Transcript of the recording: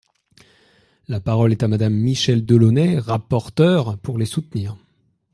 La parole est à Madame Michèle Delaunay, rapporteure, pour les soutenir.